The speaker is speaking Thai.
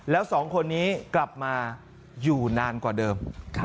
แล้วสองคนนี้กลับมาอยู่นานกว่าเดิม